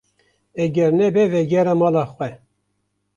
Eger nebe vegere mala xwe.